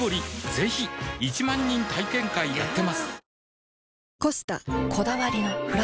ぜひ１万人体験会やってますはぁ。